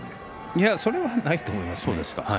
いや、それはないと思います。